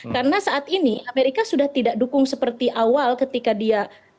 karena saat ini amerika sudah tidak dukung seperti awal ketika dia dikonsumsi